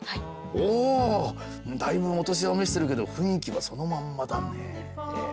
おだいぶお年を召してるけど雰囲気はそのまんまだね。